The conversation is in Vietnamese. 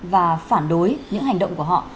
và phản đối những hành động của họ